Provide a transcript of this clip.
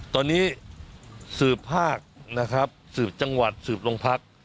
ตอนนี้สืบภาคนะครับสืบจังหวัดสืบโรงพัก